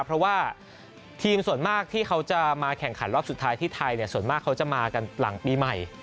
เพราะว่าทีมส่วนมากที่เขาจะมาแข่งขันรอบสุดท้ายที่ไทยส่วนมากเขาจะมากันหลังปีใหม่